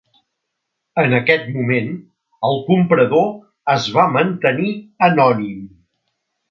En aquest moment el comprador es va mantenir anònim.